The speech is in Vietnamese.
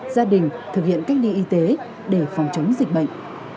gia đình thực hiện cách ly y tế để phòng chống dịch bệnh